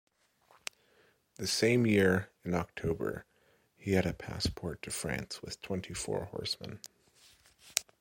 The same year, in October, he had a passport to France with twenty-four horsemen.